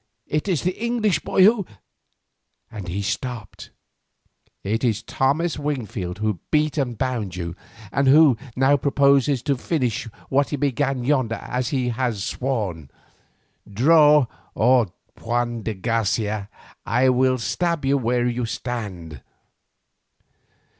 It is the English boy who—" and he stopped. "It is Thomas Wingfield who beat and bound you, and who now purposes to finish what he began yonder as he has sworn. Draw, or, Juan de Garcia, I will stab you where you stand."